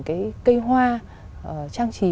cái cây hoa trang trí